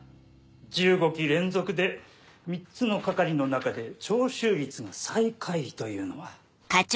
１５期連続で３つの係の中で徴収率が最下位というのは。